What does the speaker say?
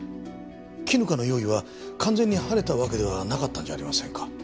絹香の容疑は完全に晴れたわけではなかったんじゃありませんか？